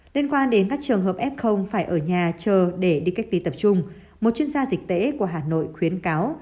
liên quan đến các trường hợp f phải ở nhà chờ để đi cách ly tập trung một chuyên gia dịch tễ của hà nội khuyến cáo